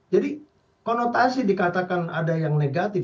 jadi konotasi dikatakan ada yang negatif